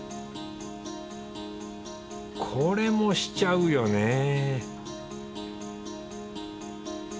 これもしちゃうよね